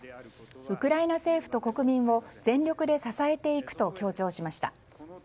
ウクライナ政府と国民を全力で支えていくと強調しました。